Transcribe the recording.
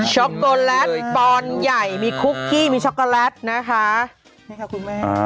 ช็อกโกแลตปอนด์ใหญ่มีคุกกี้มีช็อกโกแลตนะคะนี่ค่ะคุณแม่